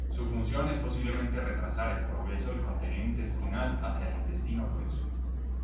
Su función es posiblemente retrasar el progreso del contenido intestinal hacia el intestino grueso.